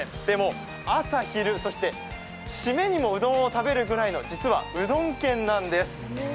でも朝、昼、そして締めにもうどんを食べるぐらいの実は、うどん県なんです。